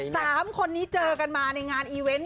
สามคนนี้เจอกันมาในงานอีเวนต์